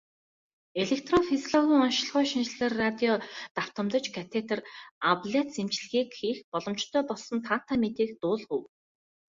Электрофизиологийн оношилгоо, шинжилгээ, радио давтамжит катетр аблаци эмчилгээг хийх боломжтой болсон таатай мэдээг дуулгая.